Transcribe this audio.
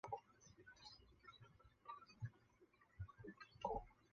曾任中国人民志愿军炮兵司令员。